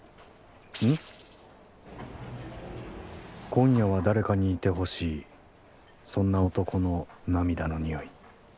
今夜は誰かにいてほしいそんな男の涙の匂い。